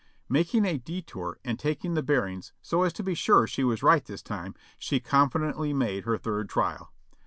Making a detour, and taking the bearings so as to be sure she was right this time, she confidently made her third trial.